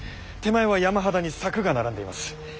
手前は山肌に柵が並んでいます。